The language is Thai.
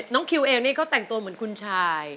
น้องคิวเองนี่เขาแต่งตัวเหมือนคุณชาย